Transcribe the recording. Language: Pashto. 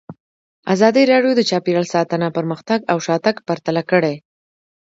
ازادي راډیو د چاپیریال ساتنه پرمختګ او شاتګ پرتله کړی.